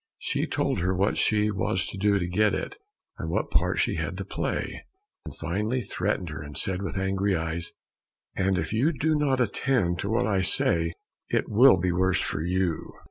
She told her what she was to do to get it, and what part she had to play, and finally threatened her, and said with angry eyes, "And if you do not attend to what I say, it will be the worse for you."